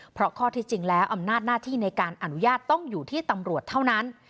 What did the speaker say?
เพราะข้อที่จริงแล้วอำนาจหน้าที่ในการอนุญาตต้องอยู่ที่ตำรวจเท่านั้น